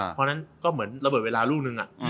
เพราะฉะนั้นก็เหมือนระเบิดเวลาลูกนึง